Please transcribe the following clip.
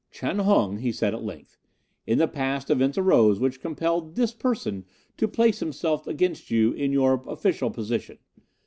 "'Chan Hung,' he said at length, 'in the past events arose which compelled this person to place himself against you in your official position.